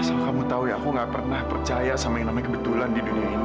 asal kamu tahu ya aku gak pernah percaya sama yang namanya kebetulan di dunia ini